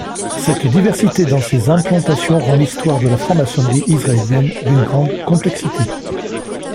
Cette diversité dans ces implantations rend l’histoire de la franc-maçonnerie israélienne d'une grande complexité.